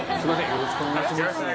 よろしくお願いします。